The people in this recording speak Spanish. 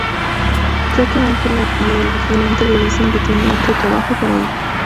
Ya que Ángela y el vigilante le dicen que tienen otro "trabajo" para ella.